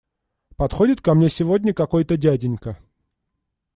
Подходит ко мне сегодня какой-то дяденька.